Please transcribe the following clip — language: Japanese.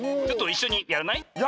ちょっといっしょにやらない？